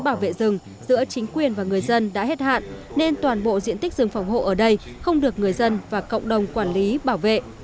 bảo vệ rừng giữa chính quyền và người dân đã hết hạn nên toàn bộ diện tích rừng phòng hộ ở đây không được người dân và cộng đồng quản lý bảo vệ